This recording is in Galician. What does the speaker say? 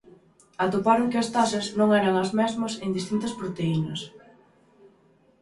Atoparon que as taxas non eran as mesmas en distintas proteínas.